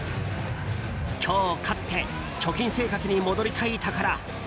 今日勝って貯金生活に戻りたいところ。